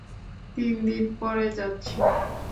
তিনদিন পরে যাচ্ছি।